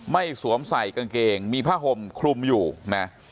สวมใส่กางเกงมีผ้าห่มคลุมอยู่นะ